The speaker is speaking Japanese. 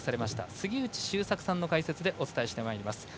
杉内周作さんの解説でお伝えしてまいります。